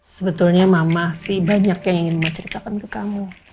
sebetulnya mama sih banyak yang ingin mama ceritakan ke kamu